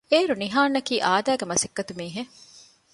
އެއިރު ނިހާންއަކީ އާދައިގެ މަސައްކަތު މީހެއް